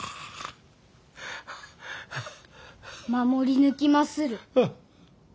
守り抜きまする。